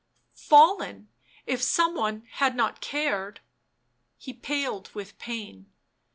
fallen — if some one had not cared." He paled with pain.